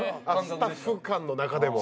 スタッフ間の中でも。